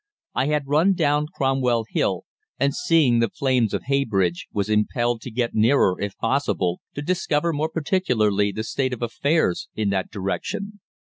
"I had run down Cromwell Hill, and seeing the flames of Heybridge, was impelled to get nearer, if possible, to discover more particularly the state of affairs in that direction.